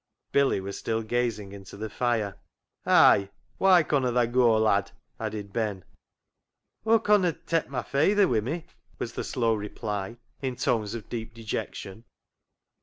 " Billy was still gazing into the fire. " Ay ! why conna tha goa, lad ?" added Ben. " Aw conna tak' my fayther wi' me," was the slow reply in tones of deep dejection.